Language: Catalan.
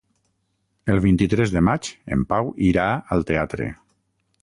El vint-i-tres de maig en Pau irà al teatre.